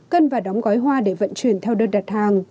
cân và đóng gói hoa để vận chuyển theo đơn đặt hàng